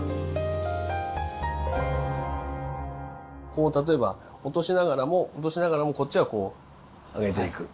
こう例えば落としながらも落としながらもこっちはこう上げていく。